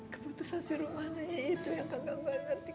kebutuhan si rumana itu yang kagak gue ngerti